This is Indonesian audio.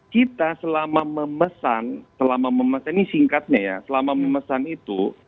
kita selama memesan selama memesan ini singkatnya ya selama memesan itu